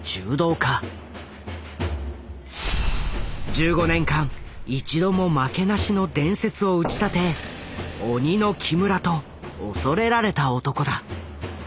１５年間一度も負けなしの伝説を打ち立て「鬼の木村」と恐れられた男だ。